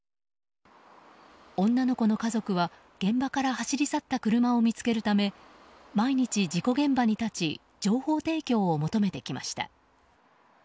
女の子の家族は現場から走り去った車を見つけるため毎日、事故現場に立ち情報提供を求めてきました。